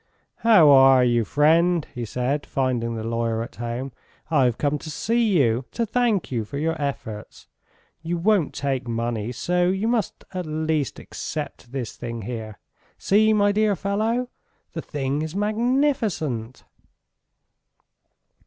"How are you, friend!" he said, finding the lawyer at home. "I've come to see you ... to thank you for your efforts. ... You won't take money so you must at least accept this thing here. ... See, my dear fellow. ... The thing is magnificent!"